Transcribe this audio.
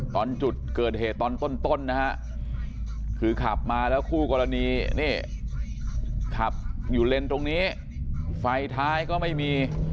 ตอนจุดเกิดเหตุตอนต้นนะฮะคือขับมาแล้วคู่กรณีนี่ขับอยู่เลนส์ตรงนี้ไฟท้ายก็ไม่มี